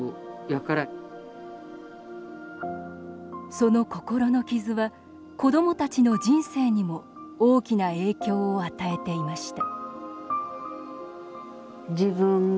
その心の傷は子どもたちの人生にも大きな影響を与えていました